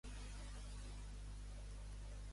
El rei Llatí va complir la seva promesa amb Turnus?